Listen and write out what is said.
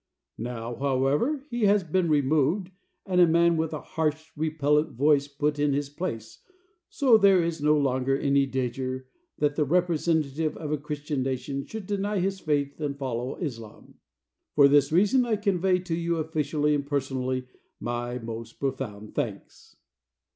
Now, however, he has been removed and a man with a harsh, repellant voice put in his place, so there is no longer any danger that the representative of a Christian nation should deny his faith and follow Islam. For this reason, I convey to you officially and personally my most profound thanks."